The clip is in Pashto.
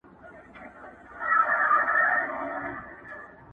د ریا بازار یې بیا رونق پیدا کړ،